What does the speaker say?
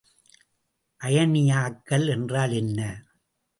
அயனியாக்கல் என்றால் என்ன?